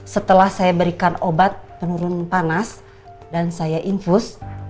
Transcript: setelah saya berikan obat penurun panas dan saya infus